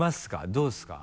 どうですか？